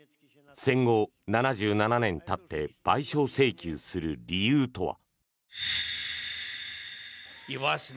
戦後７７年たって賠償請求する理由とは。